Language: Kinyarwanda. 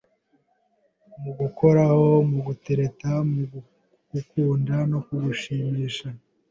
Mugukoraho, gutereta, kugukunda no kugushimisha